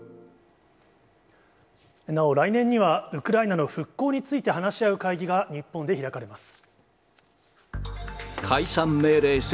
なお、来年にはウクライナの復興について話し合う会議が日本で開かれます。